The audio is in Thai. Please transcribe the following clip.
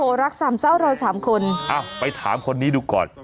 โอ้โหรักสามเศร้ารักสามคนอ่ะไปถามคนนี้ดูก่อน